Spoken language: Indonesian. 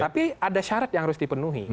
tapi ada syarat yang harus dipenuhi